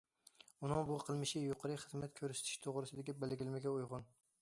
ئۇنىڭ بۇ قىلمىشى يۇقىرىقى خىزمەت كۆرسىتىش توغرىسىدىكى بەلگىلىمىگە ئۇيغۇن.